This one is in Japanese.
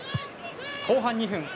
後半２分。